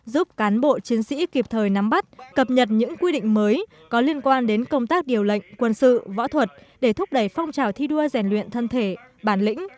giúp cán bộ chiến sĩ kịp thời nắm bắt cập nhật những quy định mới có liên quan đến công tác điều lệnh quân sự võ thuật để thúc đẩy phong trào thi đua rèn luyện thân thể bản lĩnh